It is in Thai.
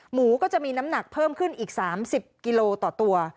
หมูก็จะมีน้ำหนักเพิ่มขึ้นอีก๓๐กิโลต่อตัว